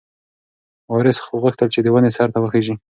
وارث غوښتل چې د ونې سر ته وخیژي.